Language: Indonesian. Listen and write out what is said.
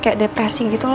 kayak depresi gitu